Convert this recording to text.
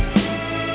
nama itu apa